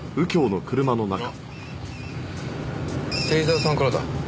芹沢さんからだ。